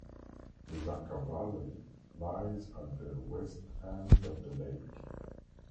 The Zaka Valley lies at the west end of the lake.